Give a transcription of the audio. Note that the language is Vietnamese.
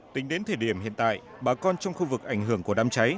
tính đến thời điểm hiện tại bà con trong khu vực ảnh hưởng của đám cháy